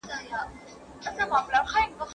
زه به سبا ليکنه کوم!